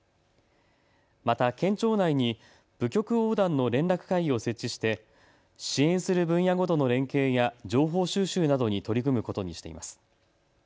また県庁内に部局横断の連絡会議を設置して支援する分野ごとの連携や情報収集などに取り組むことにしています。